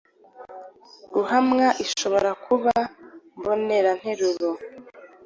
Ruhamwa ishobora kuba “mboneranteruro,